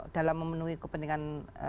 dalam memenuhi kepentingan